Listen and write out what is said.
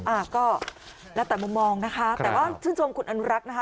อ่าก็แล้วแต่มุมมองนะคะแต่ว่าชื่นชมคุณอนุรักษ์นะคะ